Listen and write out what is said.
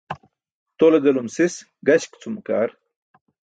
Tole delum sis gaśk cum ke ar.